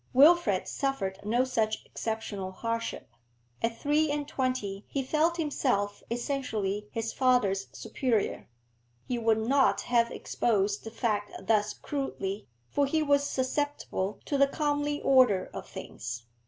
Wilfrid suffered no such exceptional hardship. At three and twenty he felt himself essentially his father's superior. He would not have exposed the fact thus crudely, for he was susceptible to the comely order of things.